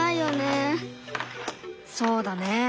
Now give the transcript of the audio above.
そうだね。